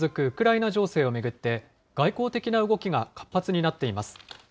ウクライナ情勢を巡って、外交的な動きが活発になっています。